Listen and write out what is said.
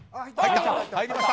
入りました！